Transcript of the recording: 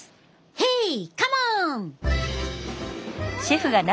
ヘイカモン！